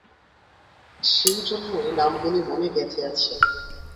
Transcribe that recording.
সেই জন্যেই নামগুলি মনে গেথে আছে।